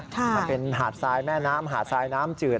มันเป็นหาดทรายแม่น้ำหาดทรายน้ำจืด